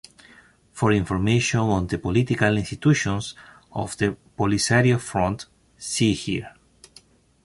For information on the political institutions of the Polisario Front, see here.